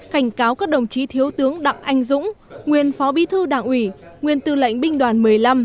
cảnh cáo các đồng chí thiếu tướng đặng anh dũng nguyên phó bí thư đảng ủy nguyên tư lệnh binh đoàn một mươi năm